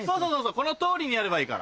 この通りにやればいいから。